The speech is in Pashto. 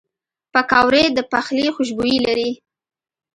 پکورې د پخلي خوشبویي لري